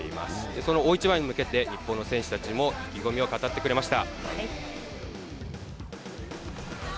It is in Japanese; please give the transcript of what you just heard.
その大一番に向けて、日本の選手たちも意気込みを語ってくれました。